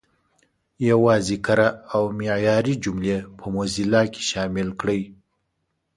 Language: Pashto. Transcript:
یوازې کره او معیاري جملې په موزیلا کې شامل کړئ.